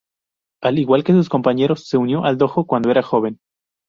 Al igual que sus compañeros se unió al dojo cuando era joven.